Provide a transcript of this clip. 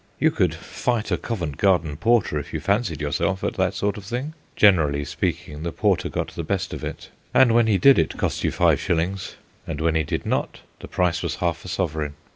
You could fight a Covent Garden porter, if you fancied yourself at that sort of thing. Generally speaking, the porter got the best of it; and when he did it cost you five shillings, and when he did not the price was half a sovereign.